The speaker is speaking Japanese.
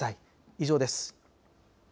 以上です。